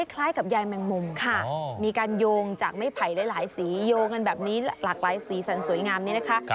คล้ายกับยายแมงมุมมีการโยงจากไม้ไผ่หลายสีโยงกันแบบนี้หลากหลายสีสันสวยงามนี้นะคะ